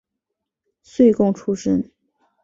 岁贡出身。